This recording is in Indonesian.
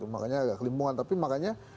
makanya agak kelimpungan tapi makanya